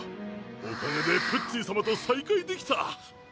おかげでプッツィ様と再会できた。